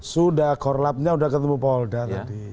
sudah korlapnya sudah ketemu polda tadi